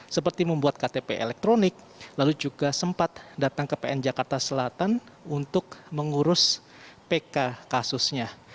seperti membuat ktp elektronik lalu juga sempat datang ke pn jakarta selatan untuk mengurus pk kasusnya